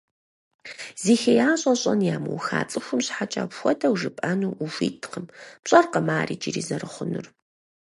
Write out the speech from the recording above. Зи хеящӀэ щӀэн ямыуха цӀыхум щхьэкӀэ апхуэдэу жыпӀэну ухуиткъым, пщӀэркъым ар иджыри зэрыхъунур.